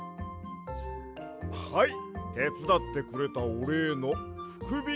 はいてつだってくれたおれいのふくびきけん。